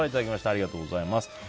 ありがとうございます。